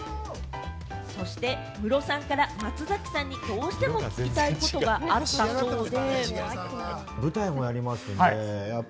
そしてムロさんから松崎さんにどうしても聞きたいことがあったそうで。